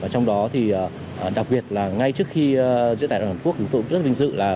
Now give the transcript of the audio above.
trong đó thì đặc biệt là ngay trước khi diễn ra đại hội hàn quốc chúng tôi cũng rất vinh dự là